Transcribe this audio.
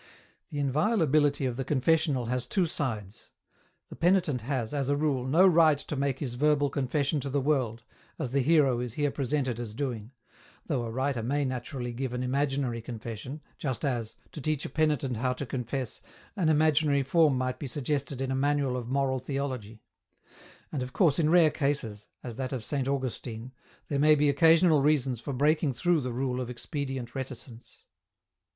The inviolability of the Confessional has two sides ; the penitent has, as a rule, no right to make his verbal confession to the world as the hero is here presented as doing, though a writer may naturally give an imaginary confession, just as, to teach a penitent how to confess, an imaginary form might be suggested in a manual of moral theology ; and of course in rare cases, as that of Saint Augustine, there may be occasional reasons for breaking through the rule of expedient reticence.